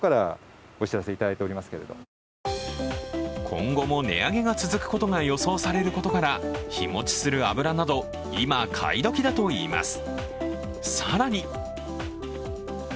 今後も値上げが続くことが予想されることから、日持ちする油など今、買い時だといいます。